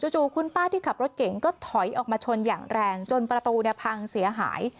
จู่คุณป้าที่ขับรถเก่งก็ถอยออกมาชนอย่างแรงจนประตูพังเสียหาย